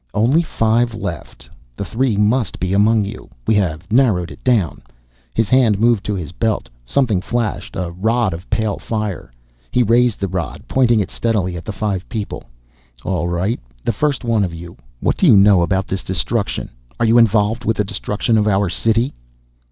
"Only five left. The three must be among you. We have narrowed it down." His hand moved to his belt. Something flashed, a rod of pale fire. He raised the rod, pointing it steadily at the five people. "All right, the first one of you. What do you know about this destruction? Are you involved with the destruction of our city?"